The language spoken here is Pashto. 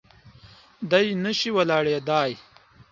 دی نه شي ولاړېدای.